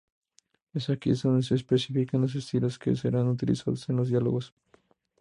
Es aquí donde se especifican los estilos que serán utilizados en los diálogos.